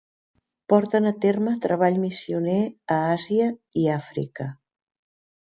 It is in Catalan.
Porten a terme treball missioner a Àsia i Àfrica.